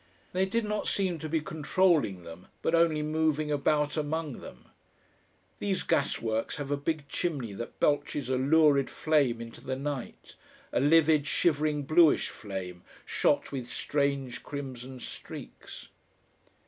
They did not seem to be controlling them but only moving about among them. These gas works have a big chimney that belches a lurid flame into the night, a livid shivering bluish flame, shot with strange crimson streaks....